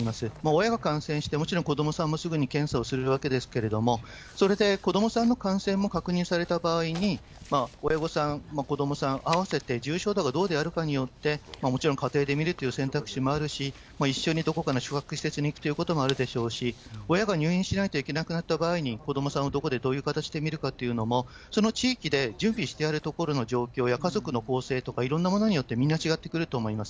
親が感染して、もちろん、子どもさんもすぐに検査をするわけですけれども、それで子どもさんの感染も確認された場合に、親御さん、子どもさん合わせて重症度がどうであるかによって、もちろん、家庭で見るという選択肢もあるし、一緒にどこかの宿泊施設に行くということもあるでしょうし、親が入院しないといけなくなったときに、子どもさんをどこでどういう形で見るかというのも、その地域で準備してある所の状況や家族の構成とか、いろんなものによってみんな違ってくると思います。